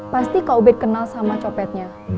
pasti kaubet kenal sama copetnya